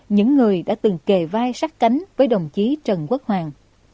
những người đã từng kề vai sát cánh với đồng chí trần quốc hoàng